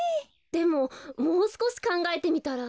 でももうすこしかんがえてみたら？